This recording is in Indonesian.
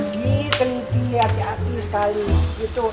gitu nih hati hati sekali gitu